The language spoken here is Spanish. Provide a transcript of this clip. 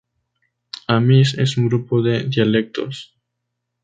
Amis es un grupo de dialectos.